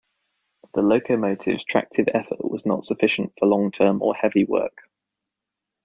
The locomotive's tractive effort was not sufficient for long term or heavy work.